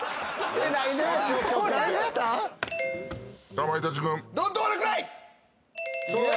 かまいたち軍。